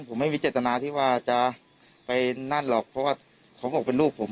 ผมไม่มีเจตนาที่ว่าจะไปนั่นหรอกเพราะว่าเขาบอกเป็นลูกผม